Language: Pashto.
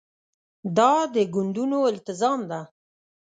دا د ګوندونو التزام ده.